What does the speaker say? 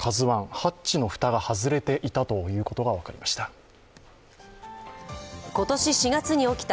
ハッチの蓋が外れていたということが分かりました。